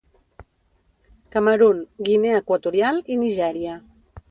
Camerun, Guinea Equatorial i Nigèria.